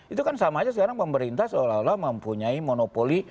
itu kan sama aja sekarang pemerintah seolah olah mempunyai monopoli